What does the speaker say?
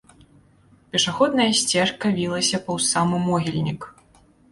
Пешаходная сцежка вілася паўз самы могільнік.